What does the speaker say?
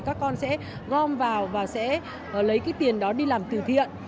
các con sẽ gom vào và sẽ lấy cái tiền đó đi làm từ thiện